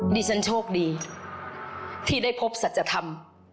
ดิฉันโชคดีที่ได้พบสัจธรรม